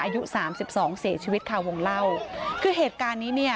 อายุสามสิบสองเสียชีวิตค่ะวงเล่าคือเหตุการณ์นี้เนี่ย